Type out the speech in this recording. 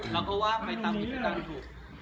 เราก็ว่าไปตามหรือตามถูก